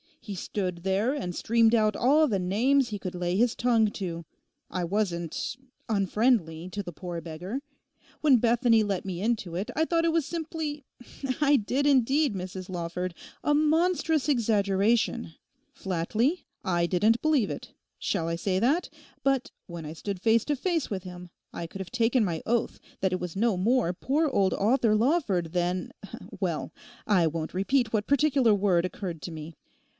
He stood there and streamed out all the names he could lay his tongue to. I wasn't—unfriendly to the poor beggar. When Bethany let me into it I thought it was simply—I did indeed, Mrs Lawford—a monstrous exaggeration. Flatly, I didn't believe it; shall I say that? But when I stood face to face with him, I could have taken my oath that that was no more poor old Arthur Lawford than—well, I won't repeat what particular word occurred to me.